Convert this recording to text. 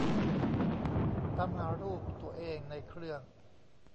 ตามหารูปตัวเองในเครื่อง